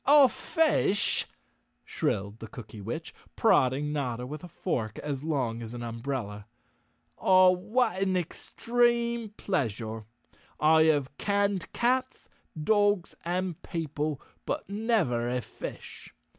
"A fish!" shrilled the Cookywitch, prodding Notta with a fork as long as an umbrella. "Ah, what an extreme pleasure. I have canned cats, dogs and people, but never a fish.